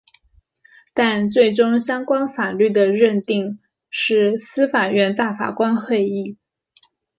但最终相关法律的认定是司法院大法官会议。